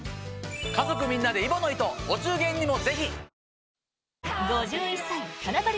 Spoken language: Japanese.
家族みんなで揖保乃糸お中元にもぜひ！